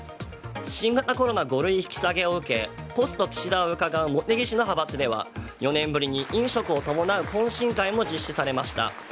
新型コロナ５類引き下げを受けてポスト岸田を伺う茂木氏の派閥では４年ぶりに飲食を伴う懇親会も実施されました。